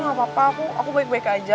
gak apa apa aku aku baik baik aja